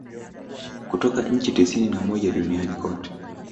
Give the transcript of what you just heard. Kutoka nchi tisini na moja duniani kote